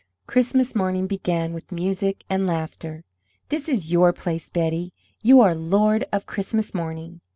Christmas morning began with music and laughter. "This is your place, Betty. You are lord of Christmas morning."